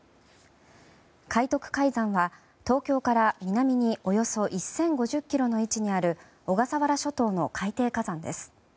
海徳海山は東京から南におよそ１０５０ｋｍの位置にある小笠原諸島の海底火山です。